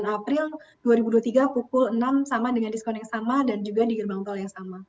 di dua puluh delapan april itu sama dengan diskon yang sama dan juga di gerbang tol yang sama